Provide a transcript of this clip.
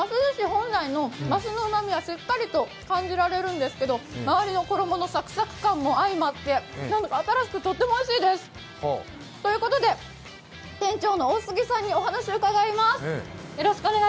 本来のますのうまみがしっかりと感じられるんですけど周りの衣のサクサク感も相まって新しく、とってもおいしいです。ということで、店長の大杉さんにお話を伺います。